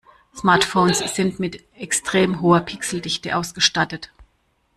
Smartphones sind mit extrem hoher Pixeldichte ausgestattet.